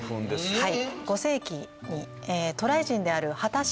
はい